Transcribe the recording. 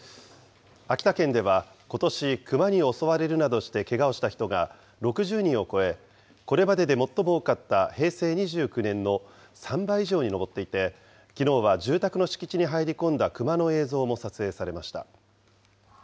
秋田県ではことし、クマに襲われるなどしてけがをした人が６０人を超え、これまでで最も多かった平成２９年の３倍以上に上っていて、きのうは住宅の敷地に入り込んだクマの映像も撮影されました。